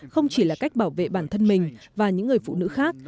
không chỉ là cách bảo vệ bản thân mình và những người phụ nữ khác